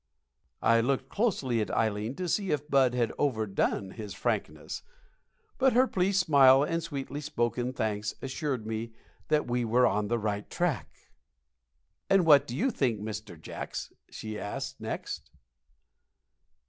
I looked closely at Ileen to see if Bud had overdone his frankness, but her pleased smile and sweetly spoken thanks assured me that we were on the right track. "And what do you think, Mr. Jacks?" she asked next.